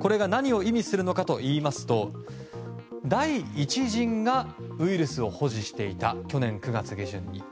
これが何を意味するかというと第１陣がウイルスを保持していた去年９月下旬に。